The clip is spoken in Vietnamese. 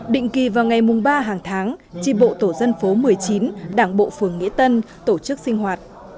định kỳ vào ngày ba hàng tháng tri bộ tổ dân phố một mươi chín đảng bộ phường nghĩa tân tổ chức sinh hoạt